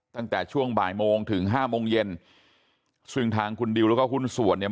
ตั้งแต่ช่วงบ่ายโมงถึงห้าโมงเย็นซึ่งทางคุณดิวแล้วก็หุ้นส่วนเนี่ย